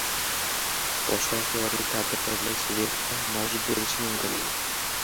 Boshqa ixtiyoriy tadbirkorlik subyektida mavjud bo‘lishi mumkin.